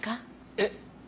えっ？